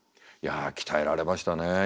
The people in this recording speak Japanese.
いや鍛えられましたね。